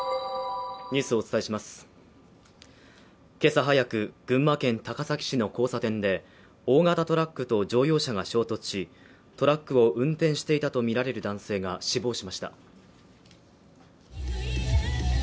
今朝早く、群馬県高崎市の交差点で大型トラックと乗用車が衝突しトラックを運転していたとみられる男性が死亡しました。